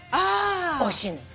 おいしいのよ。